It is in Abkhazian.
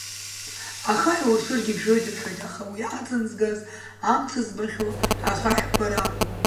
Ахаҳә уршыргьы иԥжәоит рҳәоит, аха уи аҵан згаз амца збахьоу ахаҳәқәа ракәым.